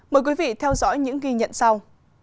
mời quý vị theo dõi những ghi nhận sau